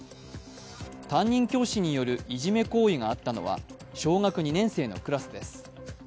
担任教師によるいじめ行為があったのは小学２年生のクラスです。